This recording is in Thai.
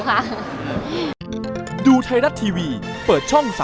ยังไม่มีใครลีฟอะไรนะคะ